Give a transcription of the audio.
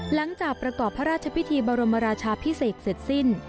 หลังจากประกอบพระราชพิธีบรมราชาพิเศษเสร็จสิ้น